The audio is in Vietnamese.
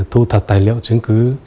thu thập tài liệu chứng cứ